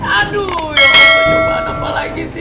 aduh percobaan apa lagi sih